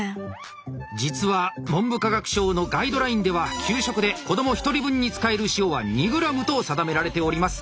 実は文部科学省のガイドラインでは給食で子ども１人分に使える塩は２ｇと定められております。